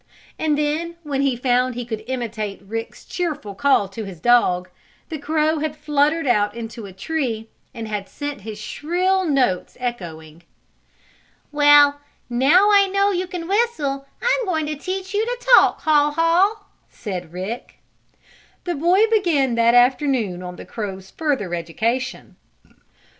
And then, when he found he could imitate Rick's cheerful call to his dog, the crow had fluttered out into a tree, and had sent his shrill notes echoing. "Well, now I know you can whistle I'm going to teach you to talk, Haw Haw," said Rick. The boy began that very afternoon on the crow's further education.